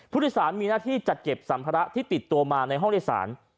ผู้โดยสารมีหน้าที่จัดเก็บสัมภาระที่ติดตัวมาในห้องโดยสาร